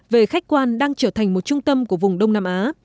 về khách quan đang trở thành một trung tâm của vùng đông nam á